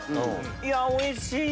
いやおいしい！